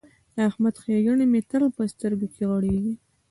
د احمد ښېګڼې مې تل په سترګو کې غړېږي.